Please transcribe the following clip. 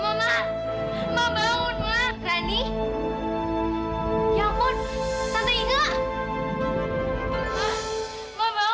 kalau explicarnya adik itu punya gue